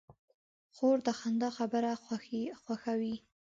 خور د خندا خبره خوښوي.